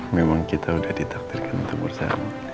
memang kita sudah ditaktirkan untuk bersama